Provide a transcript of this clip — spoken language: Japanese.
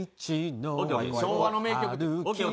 昭和の名曲を。